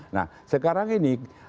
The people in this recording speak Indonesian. nah sekarang ini